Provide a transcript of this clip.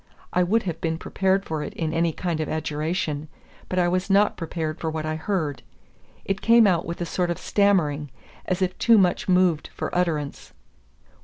I would have been prepared for it in any kind of adjuration, but I was not prepared for what I heard. It came out with a sort of stammering, as if too much moved for utterance.